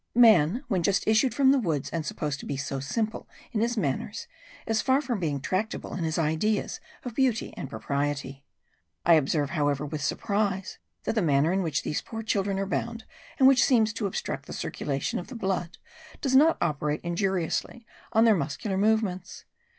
Man when just issued from the woods and supposed to be so simple in his manners, is far from being tractable in his ideas of beauty and propriety. I observed, however, with surprise, that the manner in which these poor children are bound, and which seems to obstruct the circulation of the blood, does not operate injuriously on their muscular movements.